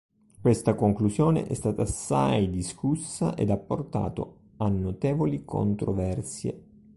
Questa conclusione è stata assai discussa ed ha portato a notevoli controversie.